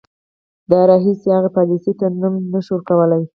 د راهیسې هغې پالیسۍ ته نوم نه شو ورکولای.